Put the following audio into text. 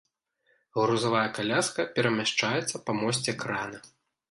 Грузавая каляска перамяшчаецца па мосце крана.